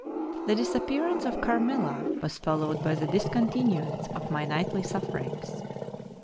The disappearance of Carmilla was followed by the discontinuance of my nightly sufferings.